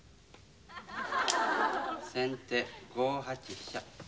先手５八飛車。